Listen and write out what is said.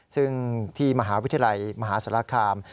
ซึ่งที่มหาวิทยาลัยมหาศาลคาม